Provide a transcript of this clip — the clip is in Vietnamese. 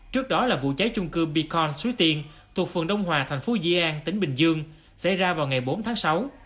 trước đó là vụ cháy chung cư be con suối tiên thuộc phường đông hòa thành phố di an tỉnh bình dương xảy ra vào ngày bốn tháng sáu